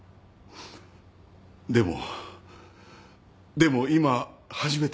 でもでも今初めて。